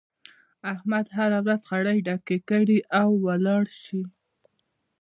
احمد هر ورځ خړی ډک کړي او ولاړ شي.